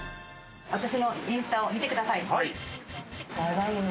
私のインスタを見てください。